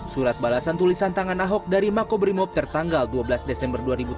surat balasan tulisan tangan ahok dari makobrimob tertanggal dua belas desember dua ribu tujuh belas